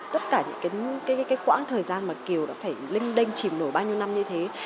tất cả những cái quãng thời gian mà kiều đã phải linh đênh chìm nổi bao nhiêu năm như thế